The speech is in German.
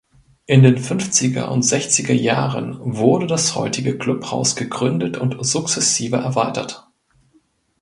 In den fünfziger und sechziger Jahren wurde das heutige Clubhaus gegründet und sukzessive erweitert.